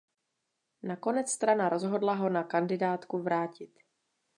Nakonec strana rozhodla ho na kandidátku vrátit.